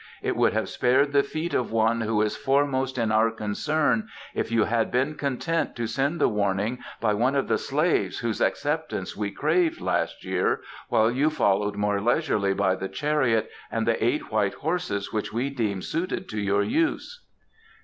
It would have spared the feet of one who is foremost in our concern if you had been content to send the warning by one of the slaves whose acceptance we craved last year, while you followed more leisurely by the chariot and the eight white horses which we deemed suited to your use."